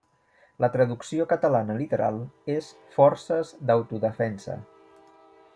La traducció catalana literal és Forces d'Autodefensa.